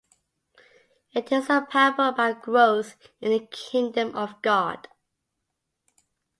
It is a parable about growth in the Kingdom of God.